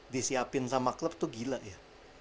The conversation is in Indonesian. disiapin sama klub tuh gila ya